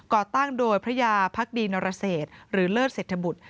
่อตั้งโดยพระยาพักดีนรเศษหรือเลิศเศรษฐบุตร